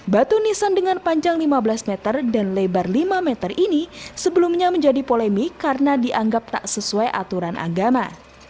batu nisan dengan panjang lima belas meter dan lebar lima meter ini sebelumnya menjadi polemik karena dianggap tak sesuai aturan agama